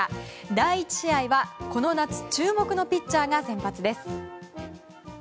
第１試合は、この夏注目のピッチャーが先発です。